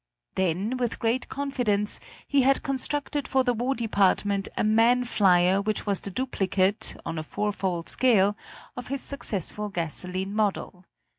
Then with great confidence he had constructed for the War Department a man flier which was the duplicate, on a fourfold scale, of his successful gasoline model.